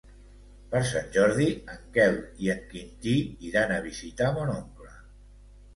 Per Sant Jordi en Quel i en Quintí iran a visitar mon oncle.